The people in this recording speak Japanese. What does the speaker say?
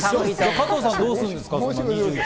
加藤さんはどうするんですか？